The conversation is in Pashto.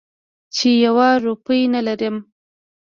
چې یوه روپۍ نه لرم.